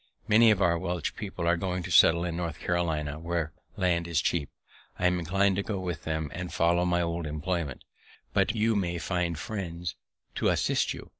Many of our Welsh people are going to settle in North Carolina, where land is cheap. I am inclin'd to go with them, and follow my old employment. You may find friends to assist you.